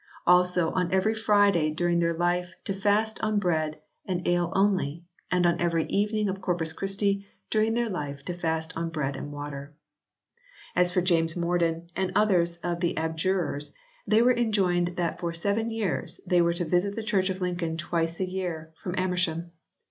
Also on every Friday during their life to fast on bread and ale only, and on every evening of Corpus Christi during their life to fast on bread and water. As for James Morden and others of the abjurers they were enjoined that for seven years they were to visit the church of Lincoln twice a year from Amersham.